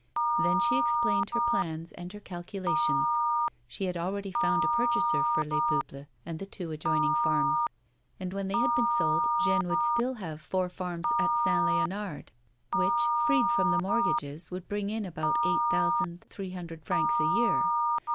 Then she explained her plans and her calculations. She had already found a purchaser for Les Peuples and the two adjoining farms, and when they had been sold Jeanne would still have four farms at Saint Leonard, which, freed from the mortgages, would bring in about eight thousand three hundred francs a year.